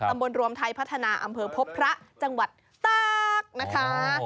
รวมไทยพัฒนาอำเภอพบพระจังหวัดตากนะคะ